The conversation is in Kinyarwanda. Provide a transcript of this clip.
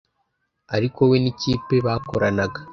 Ariko we n’ikipe bakoranaga